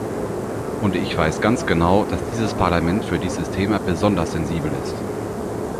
Und ich weiß ganz genau, dass dieses Parlament für dieses Thema besonders sensibel ist.